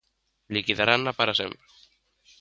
Liquidarana para sempre.